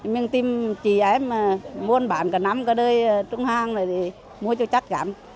mình tìm chị em mua bán cả năm cả đời trung hàng mua cho chắc cảm